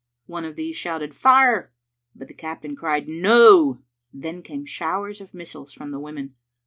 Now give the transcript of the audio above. One of these shouted "Fire!" but the captain cried " No. " Then came showers of missiles from the women.